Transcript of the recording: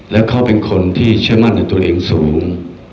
แล้วเขาเป็นคนที่เชื่อมั่นในตัวเองสูง